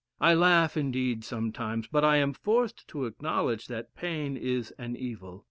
I laugh indeed sometimes; but am forced to acknowledge that pain is an evil.